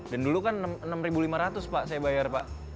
dan dulu kan enam lima ratus pak saya bayar